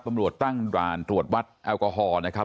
ตำรวจตั้งด่านตรวจวัดแอลกอฮอล์นะครับ